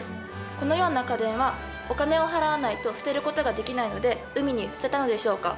このような家電はお金を払わないと捨てることができないので海に捨てたのでしょうか？